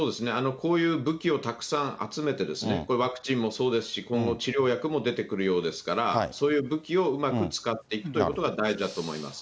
こういう武器をたくさん集めて、ワクチンもそうですし、今後、治療薬も出てくるようですから、そういう武器をうまく使っていくということが大事だと思います。